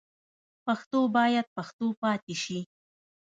پښتو باید پښتو پاتې شي.